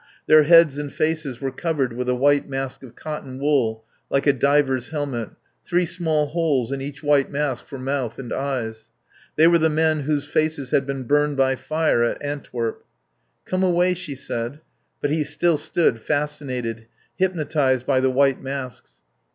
Their heads and faces were covered with a white mask of cotton wool like a diver's helmet, three small holes in each white mask for mouth and eyes. They were the men whose faces had been burned by fire at Antwerp. "Come away," she said. But he still stood, fascinated, hypnotised by the white masks.